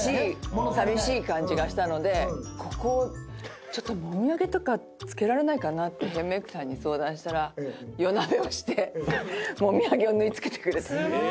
さみしい感じがしたのでここをちょっともみ上げとかつけられないかなってヘアメークさんに相談したら夜なべをしてもみ上げを縫い付けてくれた。